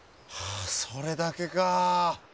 あそれだけか。